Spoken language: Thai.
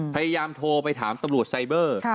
พยายามโทรไปถามตำรวจไซเบอร์